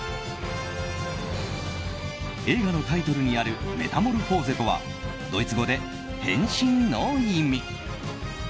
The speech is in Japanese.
映画のタイトルにあるメタモルフォーゼとはドイツ語で「変身」の意味。